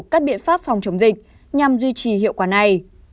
các biện pháp phòng chống dịch nhằm duy trì hiệu quả này